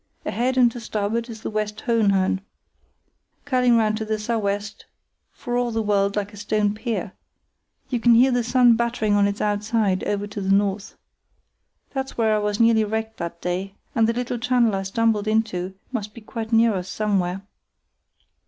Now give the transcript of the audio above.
Ahead and to starboard is the West Hohenhörn, curling round to the sou' west for all the world like a stone pier. You can hear the surf battering on its outside over to the north. That's where I was nearly wrecked that day, and the little channel I stumbled into must be quite near us somewhere.